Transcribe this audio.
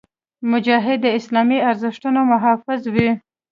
مجاهد د اسلامي ارزښتونو محافظ وي.